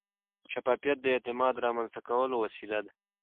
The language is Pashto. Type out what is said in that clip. شفافیت د اعتماد رامنځته کولو وسیله ده.